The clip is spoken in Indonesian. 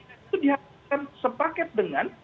itu dihapuskan sepaket dengan